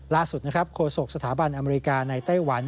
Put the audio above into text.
ล่าสุดโคสกสถาบันอเมริกาในไต้หวัน